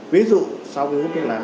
ví dụ sau khi hút thuốc lá